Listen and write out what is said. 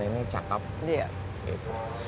saya ingin seluruh karyawan karyawan ini cakep